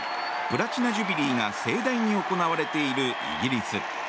プラチナ・ジュビリーが盛大に行われているイギリス。